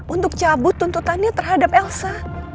untuk cabut tuntutannya terhadap elsa